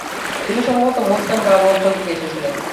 তিনি সম্ভবত মুলতান বা আবু অঞ্চল থেকে এসেছিলেন।